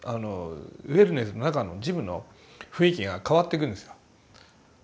ウェルネスの中のジムの雰囲気が変わってくるんですよ。